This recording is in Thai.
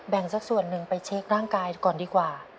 สักส่วนหนึ่งไปเช็คร่างกายก่อนดีกว่า